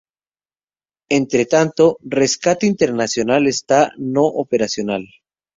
Entretanto, Rescate Internacional esta no operacional.